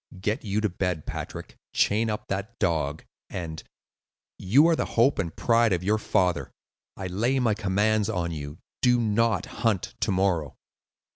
"Get you to bed, Patrick, chain up that dog, and—you are the hope and pride of your father—I lay my commands on you—do not hunt to morrow."